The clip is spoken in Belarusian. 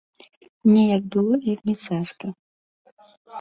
Неяк было вельмі цяжка.